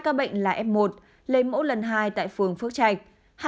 một ca bệnh là f một lấy mẫu lần hai tại phường phước trạch